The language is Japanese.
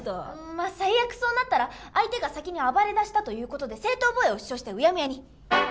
まあ最悪そうなったら相手が先に暴れだしたという事で正当防衛を主張してうやむやに。